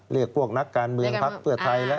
เรียกพวกนักการเมืองพักเพื่อไทยและ